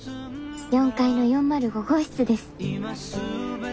４階の４０５号室です。